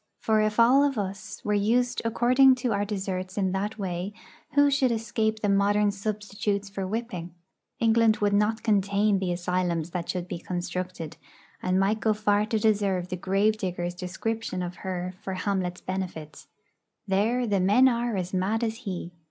For, if all of us were used according to our deserts in that way, who should escape the modern substitutes for whipping? England would not contain the asylums that should be constructed, and might go far to deserve the Gravedigger's description of her for Hamlet's benefit: 'There the men are as mad as he.'